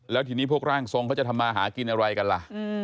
แล้วทีนี้พวกร่างทรงเขาจะทำมาหากินอะไรกันล่ะ